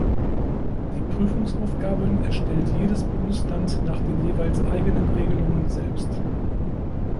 Die Prüfungsaufgaben erstellt jedes Bundesland nach den jeweils eigenen Regelungen selbst.